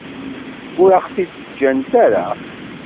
Ur aɣ-t-id-ǧǧant ara.